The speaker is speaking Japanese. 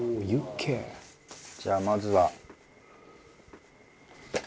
じゃあまずは。